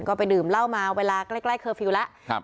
ก็ไปดื่มเหล้ามาเวลาใกล้เคอร์ฟิลล์แล้ว